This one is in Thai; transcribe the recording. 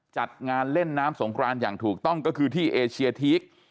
จัดงานเล่นน้ำสงครานอย่างถูกต้องก็คือที่เอเชียทีก